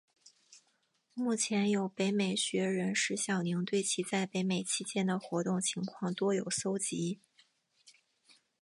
目前有北美学人石晓宁对其在北美期间的活动情况多有搜辑。